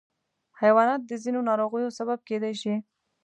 حیوانات د ځینو ناروغیو سبب کېدای شي.